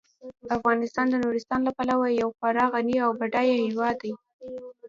افغانستان د نورستان له پلوه یو خورا غني او بډایه هیواد دی.